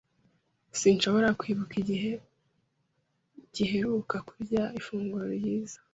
Sinshobora kwibuka igihe giheruka kurya ifunguro ryiza.